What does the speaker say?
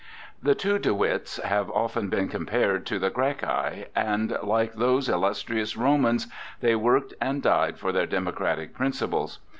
The two De Witts have often been compared to the Gracchi, and, like those illustrious Romans, they worked and died for their democratic principles.